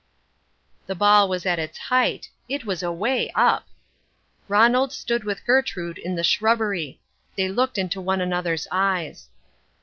The ball was at its height. It was away up! Ronald stood with Gertrude in the shrubbery. They looked into one another's eyes.